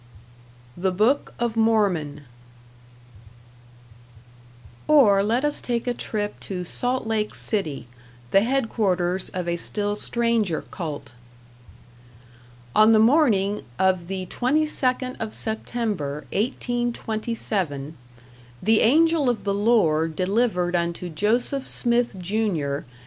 #The Book of Mormon# Or let us take a trip to Salt Lake City, the headquarters of a still stranger cult. On the morning of the 22nd of September, 1827, the Angel of the Lord delivered unto Joseph Smith, Jr.